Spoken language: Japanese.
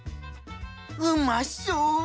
うまそう！